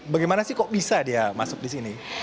bagaimana sih kok bisa dia masuk di sini